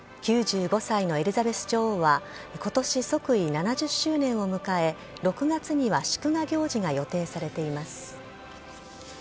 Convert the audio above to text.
９５歳のエリザベス女王は、ことし即位７０周年を迎え、６月には祝賀行事が予定されています。